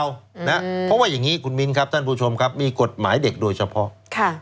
เพราะว่าอย่างนี้คุณมิ้นครับท่านผู้ชมครับมีกฎหมายเด็กโดยเฉพาะค่ะ